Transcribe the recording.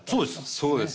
そうです。